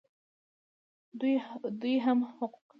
دوی هم حقوق لري